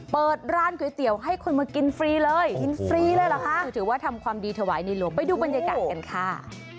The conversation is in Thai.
เปิดร้านก๋วยเตี๋ยวให้คนมากินฟรีเลยที่ถือว่าทำความดีถวายในโลกไปดูบรรยากาศกันค่ะ